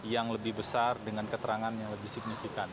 yang lebih besar dengan keterangan yang lebih signifikan